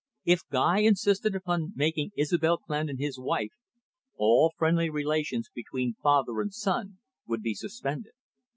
If Guy insisted upon making Isobel Clandon his wife, all friendly relations between father and son would be suspended.